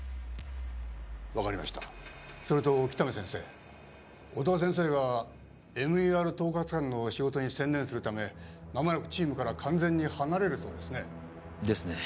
分かりましたそれと喜多見先生音羽先生がＭＥＲ統括官の仕事に専念するため間もなくチームから完全に離れるそうですねですね